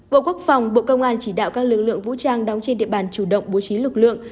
bộ quốc phòng bộ công an chỉ đạo các lực lượng vũ trang đóng trên địa bàn chủ động bố trí lực lượng